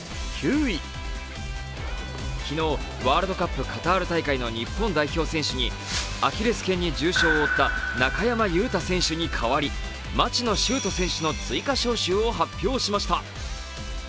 昨日、ワールドカップ・カタール大会の日本代表選手にアキレスけんに重傷を負った中山雄太選手に代わり町野修斗選手の追加招集を発表しました。